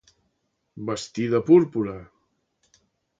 Vestir de púrpura.